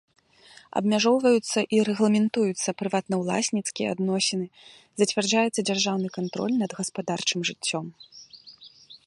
Абмяжоўваюцца і рэгламентуюцца прыватнаўласніцкія адносіны, зацвярджаецца дзяржаўны кантроль над гаспадарчым жыццём.